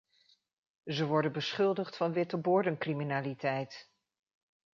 Ze worden beschuldigd van witteboordencriminaliteit.